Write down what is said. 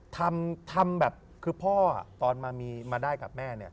ทำแบบคือพอตอนมามีมาได้กับแม่